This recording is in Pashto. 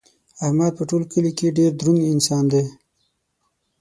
احمد په ټول کلي کې ډېر دروند انسان دی.